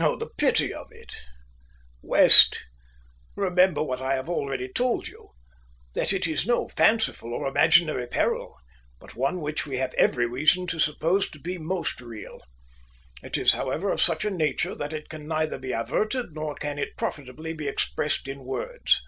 Oh, the pity of it. West! Remember what I have already told you that it is no fanciful or imaginary peril, but one which we have every reason to suppose to be most real. It is, however, of such a nature that it can neither be averted nor can it profitably be expressed in words.